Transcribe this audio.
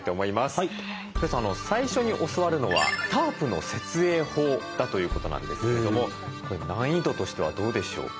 最初に教わるのはタープの設営法だということなんですけどもこれ難易度としてはどうでしょう？